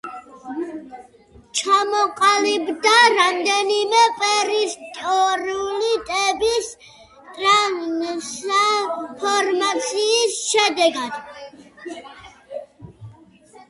ჩამოყალიბდა რამდენიმე პრეისტორიული ტბის ტრანსფორმაციის შედეგად.